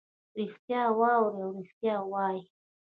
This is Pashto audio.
ریښتیا واوري او ریښتیا ووایي.